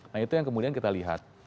nah itu yang kemudian kita lihat